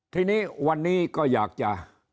ทีนี้วันนี้ก็อยากจะ